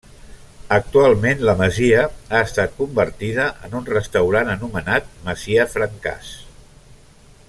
Actualment la masia ha estat convertida en un restaurant anomenat Masia Francàs.